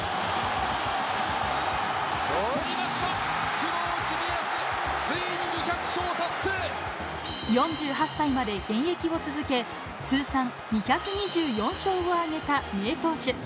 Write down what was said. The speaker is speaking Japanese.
工藤公康、ついに２００勝達４８歳まで現役を続け、通算２２４勝を挙げた名投手。